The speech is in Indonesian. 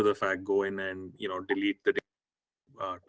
telah mengambil beberapa langkah